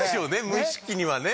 無意識にはね。